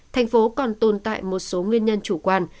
thành phố còn tồn tại một số nguyên nhân chủ quan